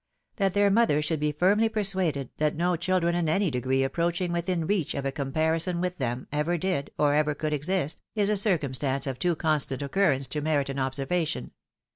That their mother should be firmly persuaded that no children in any degree approaching witliin reach of a compari son with them, ever did, or ever could exist, is a circumstance of too constant occurrence to merit an observation.